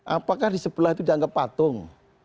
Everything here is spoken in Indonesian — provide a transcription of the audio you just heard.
apakah di sebelah itu jangan kepatung